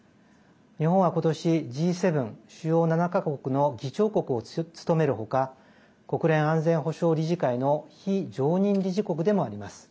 日本は今年、Ｇ７＝主要７か国の議長国を務める他国連安全保障理事会の非常任理事国でもあります。